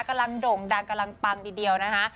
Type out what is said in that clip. กำลังด่งดังกำลังปังดีนะคะ